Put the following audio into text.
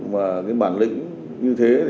mà cái bản lĩnh như thế